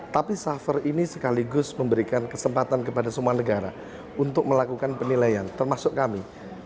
tapi suffer ini sekaligus memberikan kesempatan kepada semua negara untuk melakukan penilaian termasuk kami